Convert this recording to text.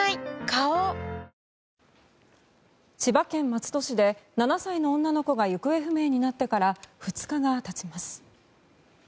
花王千葉県松戸市で７歳の女の子が行方不明になってから２日がたちます。